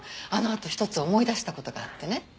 あのあと１つ思い出した事があってね。